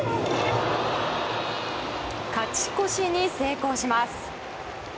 勝ち越しに成功します。